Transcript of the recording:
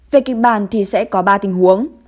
về kịch bản thì sẽ có ba tình huống